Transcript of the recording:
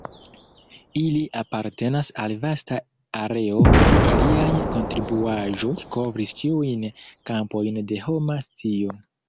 Ili apartenas al vasta areo kaj iliaj kontribuaĵoj kovris ĉiujn kampojn de homa scio.